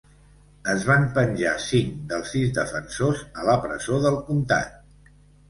Es van penjar cinc dels sis defensors a la presó del comtat.